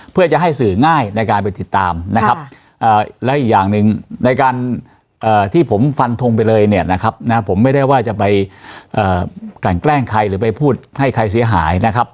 เพื่อจะให้สื่อง่ายในการไปติดตามนะครับและอีกอย่างหนึ่งในการที่ผมฟันทงไปเลยเนี่ยนะครับผมไม่ได้ว่าจะไปกลั่นแกล้งใครหรือไปพูดให้ใครเสียหายนะครับ